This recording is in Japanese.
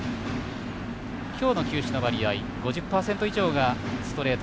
今日の球種の割合、５０％以上がストレート。